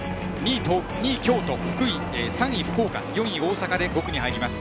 ２位、京都、３位、福岡４位、大阪で５区に入ります。